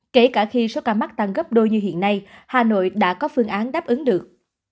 kể cả khi số ca mắc tăng gấp đôi như hiện nay hà nội đã có phương án đáp ứng được